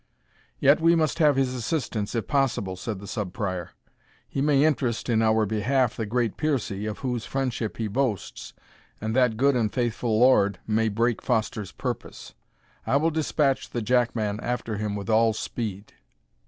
"Yet we must have his assistance, if possible," said the Sub Prior; "he may interest in our behalf the great Piercie, of whose friendship he boasts, and that good and faithful Lord may break Foster's purpose. I will despatch the jackman after him with all speed.